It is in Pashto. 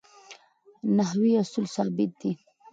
نحوي اصول ثابت دي.